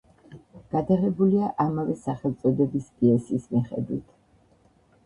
გადაღებულია ამავე სახელწოდების პიესის მოხედვით.